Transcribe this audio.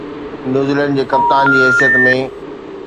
New Zealand جي ڪپتان جي حيثيت ۾